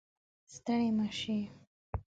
ستړې مه شئ